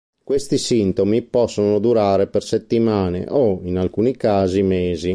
Questi sintomi possono durare per settimane o, in alcuni casi, mesi.